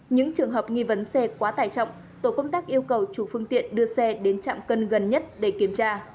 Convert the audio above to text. những trường hợp nghi vấn xe quá tải trọng tổ công tác yêu cầu chủ phương tiện đưa xe đến trạm cân gần nhất để kiểm tra